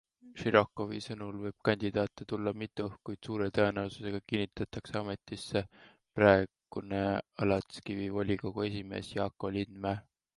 Širokovi sõnul võib kandidaate tulla mitu, kuid suure tõenäosusega kinnitatakse ametisse praegune Alatskivi volikogu esimees Jaako Lindmäe.